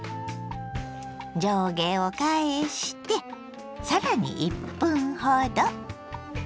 上下を返してさらに１分ほど。